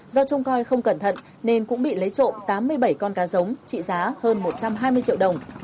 do trông coi không cẩn thận nên cũng bị lấy trộm tám mươi bảy con cá giống trị giá hơn một trăm hai mươi triệu đồng